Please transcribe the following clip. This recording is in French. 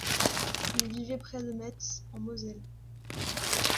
Il vivait près de Metz en Moselle.